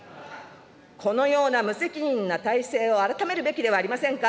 このような無責任な体制を改めるべきではありませんか。